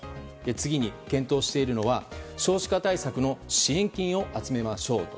次に、検討しているのは少子化対策の支援金を集めましょうと。